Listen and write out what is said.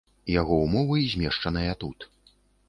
Яго умовы змешчаныя тут.